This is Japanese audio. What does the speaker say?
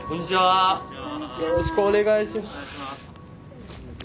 よろしくお願いします。